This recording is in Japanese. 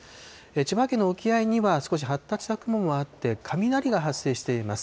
千葉県の沖合には、少し発達した雲もあって、雷が発生しています。